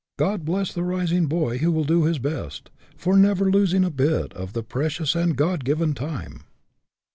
God bless the rising boy who will do his best, for never losing a bit of the precious and God given time."